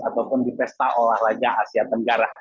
ataupun di pesta olahraga asia tenggara